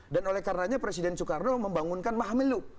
dan oleh karenanya presiden soekarno membangunkan mahameluk